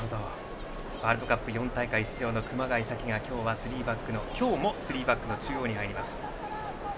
ワールドカップ４大会出場の熊谷紗希が今日もスリーバックの中央に入っています。